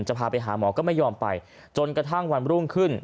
จะพาไปหาหมอก็ไม่ยอมไปจนกระทั่งวันรุ่งขึ้น